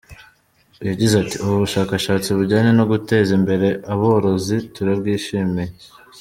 Yagize ati “Ubu bushakashatsi bujyanye no guteza imbere aborozi turabwishimiye.